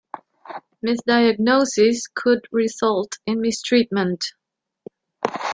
Misdiagnoses could result in mistreatment.